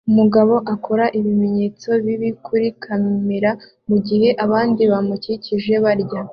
Umugabo akora ibimenyetso bibi kuri kamera mugihe abandi bamukikije barya